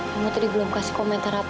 kamu tadi belum kasih komentar apa